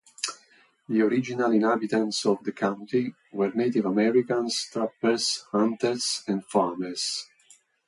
The original inhabitants of the county were Native Americans, trappers, hunters, and farmers.